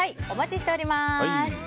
お待ちしております。